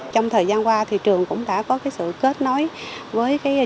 trong thời gian qua thì trường cũng đã có sự kết nối với trung tâm giới thiệu việc làm của tỉnh an giang